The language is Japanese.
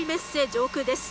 上空です。